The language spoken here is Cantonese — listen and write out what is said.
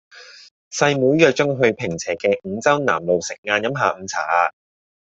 細妹約左我去坪輋嘅五洲南路食晏飲下午茶